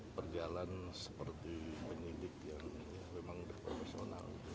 perjalan seperti penyelidik yang memang profesional